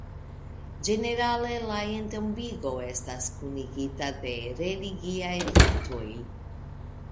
Ĝenerale, la entombigo estas kunigita de religiaj ritoj.